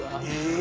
え！